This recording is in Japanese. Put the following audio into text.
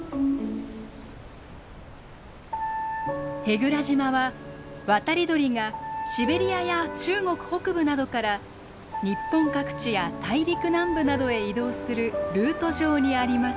舳倉島は渡り鳥がシベリアや中国北部などから日本各地や大陸南部などへ移動するルート上にあります。